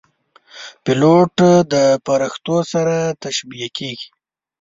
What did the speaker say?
پیلوټ د پرښتو سره تشبیه کېږي.